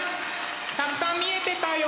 たくさん見えてたよ！